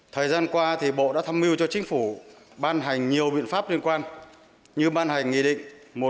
thời gian qua thì bộ đã tham mưu cho chính phủ ban hành nhiều biện pháp liên quan như ban hành nghị định một một năm